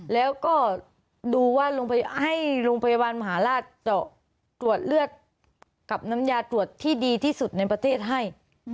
แล้วก็ดูว่าให้โรงพยาบาลมหาราชเจาะตรวจเลือดกับน้ำยาตรวจที่ดีที่สุดในประเทศให้